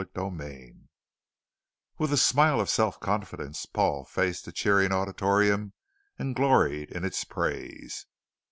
CHAPTER 9 With a smile of self confidence, Paul faced the cheering auditorium and gloried in the praise.